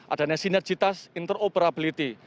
adanya sinergitas interoperability